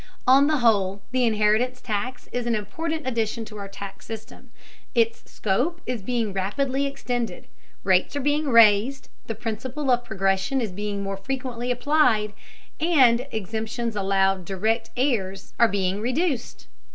On the whole, the inheritance tax is an important addition to our tax system. Its scope is being rapidly extended: rates are being raised, the principle of progression is being more frequently applied, and exemptions allowed direct heirs are being reduced.